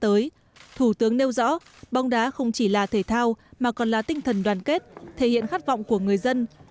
tại buổi tiếp thủ tướng nêu rõ bóng đá không chỉ là thể thao mà còn là tinh thần đoàn kết thể hiện khát vọng của người dân